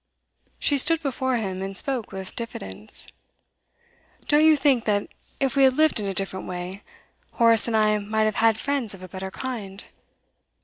She stood before him, and spoke with diffidence. 'Don't you think that if we had lived in a different way, Horace and I might have had friends of a better kind?